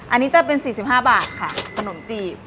อันนี้จะเป็น๔๕บาทค่ะขนมจีบ